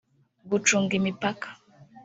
gucunga imipaka